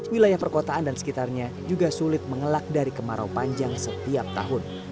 wilayah perkotaan dan sekitarnya juga sulit mengelak dari kemarau panjang setiap tahun